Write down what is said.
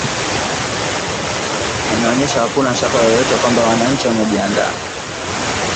inaonyesha hakuna shaka yoyote kwamba wananchi wamejiandaa